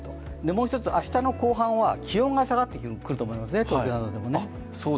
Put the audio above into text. もうひとつ、明日の後半は気温が下がってくると思います、東京などでも。